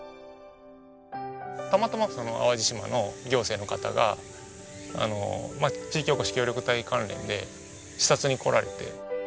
たまたまその淡路島の行政の方が地域おこし協力隊関連で視察に来られて。